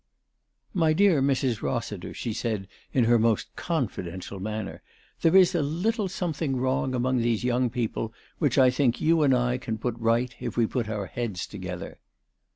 " My dear Mrs. Rossiter, 3 ' she said in her most con fidential manner, "there is a little something wrong among these young people, which I think you and I can put right if we put our heads together."